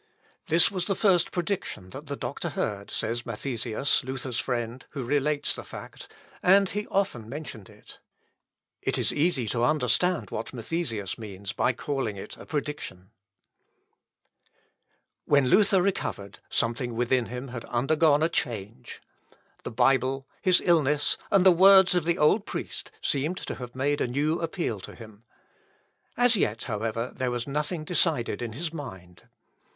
"This was the first prediction the Doctor heard," says Mathesius, Luther's friend, who relates the fact; "and he often mentioned it." It is easy to understand what Mathesius means by calling it a prediction. "Deus te virum faciet qui alios multos iterum consolabitur." When Luther recovered, something within him had undergone a change. The Bible, his illness, and the words of the old priest, seemed to have made a new appeal to him. As yet, however, there was nothing decided in his mind.